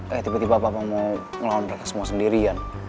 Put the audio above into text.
eh tiba tiba bapak mau ngelawan mereka semua sendirian